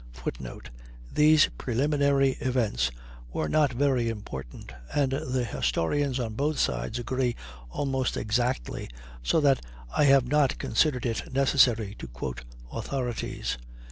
[Footnote: These preliminary events were not very important, and the historians on both sides agree almost exactly, so that I have not considered it necessary to quote authorities.